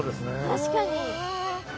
確かに。